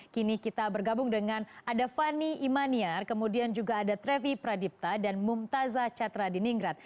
kini kita bergabung dengan ada fani imaniar kemudian juga ada trevi pradipta dan mumtazah catra di ningrat